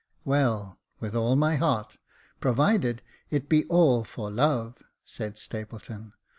" Well, with all my heart, provided it be all for love," said Stapleton.